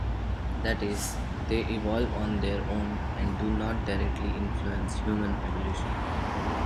That is, they evolve on their own and do not directly influence human evolution.